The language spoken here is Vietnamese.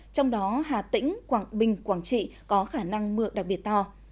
trong đó hà tĩnh quảng bình quảng trị có khả năng mưa đặc biệt to